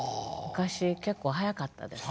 昔結構早かったですね。